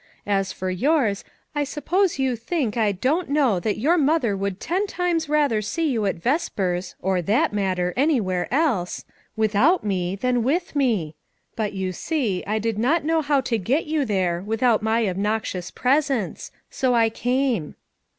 As for yours, I suppose you think I don't know that your mother would ten times rather see you at vespers — or that matter anywhere else — ivith out me than with me; but you see I did not know how to get you there without my obnox ious presence, so I came."